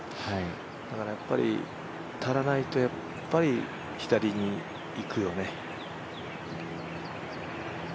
だからやっぱり足らないと左に行くよね。